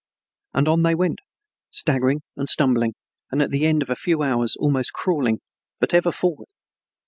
And on they went, staggering and stumbling, and at the end of a few hours almost crawling, but ever forward.